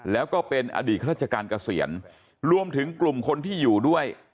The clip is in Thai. แล้วก็เป็นอดีตข้าราชการเกษียณรวมถึงกลุ่มคนที่อยู่ด้วย